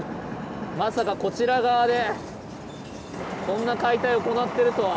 まさかこちら側でこんな解体を行ってるとは。